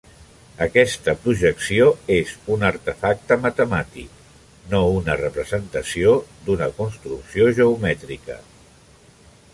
Aquesta projecció és un artefacte matemàtic, no una representació d'una construcció geomètrica.